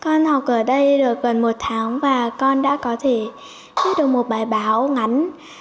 con học ở đây được gần một tháng và con đã có thể viết được một bài báo ngắn